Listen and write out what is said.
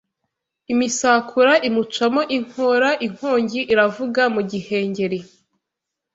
Imisakura imucamo inkora inkongi iravuga mu gihengeri